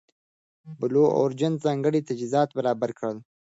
بلو اوریجن ځانګړي تجهیزات برابر کړل.